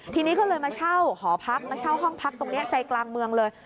ทีนี้ก็เลยมาเช่าหอพักมาเช่าห้องพักตรงนี้ใจกลางเมืองเลย